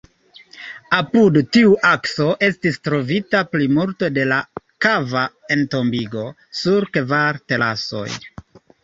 Apud tiu akso estis trovita plimulto de la kava entombigo, sur kvar terasoj.